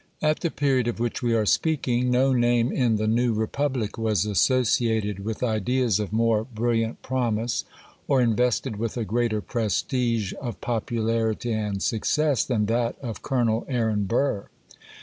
AT the period of which we are speaking, no name in the new republic was associated with ideas of more brilliant promise, or invested with a greater prestige of popularity and success, than that of Colonel Aaron Burr.